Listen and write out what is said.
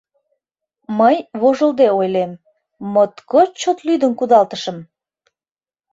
Мый вожылде ойлем: моткоч чот лӱдын кудалтышым.